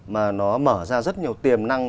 mà nó mở ra rất nhiều tiềm năng